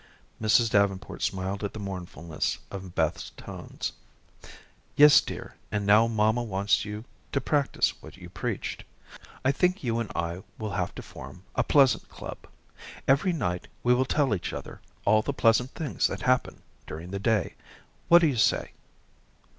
Mrs. Davenport smiled at the mournfulness of Beth's tones. "Yes, dear, and now mamma wants you to practice what you preached. I think you and I will have to form a 'Pleasant Club.' Every night we will tell each other all the pleasant things that happen during the day. What do you say?"